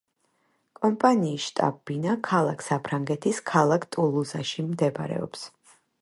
კომპანიის შტაბ-ბინა ქალაქ საფრანგეთის ქალაქ ტულუზაში მდებარეობს.